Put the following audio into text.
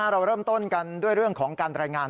เราเริ่มต้นกันด้วยเรื่องของการรายงาน